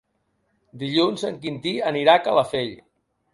Dilluns en Quintí anirà a Calafell.